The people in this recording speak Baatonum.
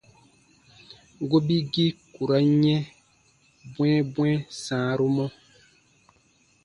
Gobigii ku ra n yɛ̃ bwɛ̃ɛbwɛ̃ɛ sãaru mɔ.